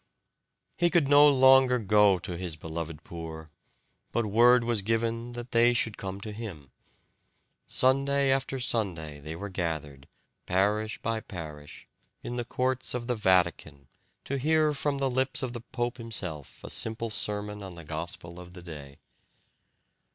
He could no longer go to his beloved poor, but word was given that they should come to him. Sunday after Sunday they were gathered, parish by parish, in the courts of the Vatican to hear from the lips of the pope himself a simple sermon on the gospel of the day.